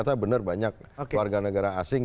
orang orang yang keluarga negara asing